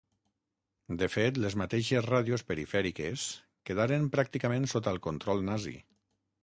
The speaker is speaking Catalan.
De fet, les mateixes ràdios perifèriques quedaren pràcticament sota el control nazi.